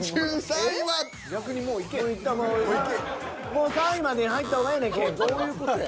もう３位までに入った方がええねんこれは。